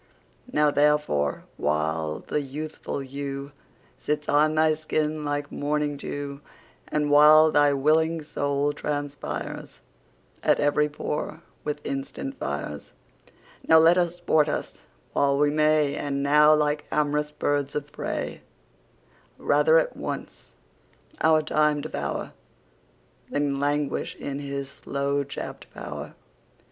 Now therefore, while the youthful hewSits on thy skin like morning [dew]And while thy willing Soul transpiresAt every pore with instant Fires, Now let us sport us while we may; And now, like am'rous birds of prey, Rather at once our Time devour, Than languish in his slow chapt pow'r.